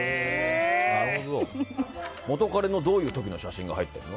元カレのどういう時の写真が入ってるの？